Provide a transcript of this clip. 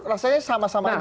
rasanya sama sama aja